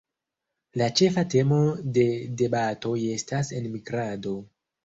La ĉefa temo de debatoj estas enmigrado.